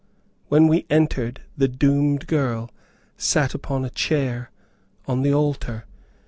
When we entered, the doomed girl sat upon a chair on the altar.